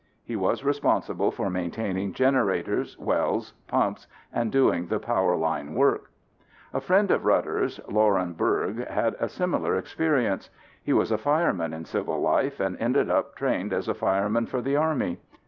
He was responsible for maintaining generators, wells, pumps and doing the power line work. A friend of Rudder's, Loren Bourg, had a similar experience. He was a fireman in civil life and ended up trained as a fireman for the Army.